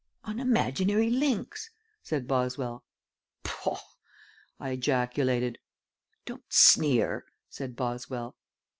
"On imaginary links," said Boswell. "Poh!" I ejaculated. "Don't sneer," said Boswell.